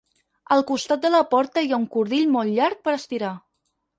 Al costat de la porta hi ha un cordill molt llarg per estirar.